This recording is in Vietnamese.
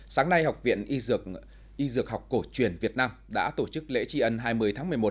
sáng nay học viện y dược học cổ truyền việt nam đã tổ chức lễ tri ân hai mươi tháng một mươi một